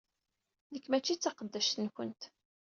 Nekk mačči d taqeddact-nkent.